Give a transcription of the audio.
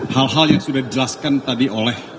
hal hal yang sudah dijelaskan tadi oleh